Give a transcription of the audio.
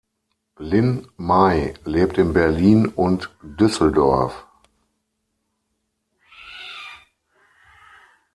Lin May lebt in Berlin und Düsseldorf.